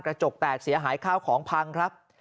กระจกแตกเสียหายข้าวของพังครับ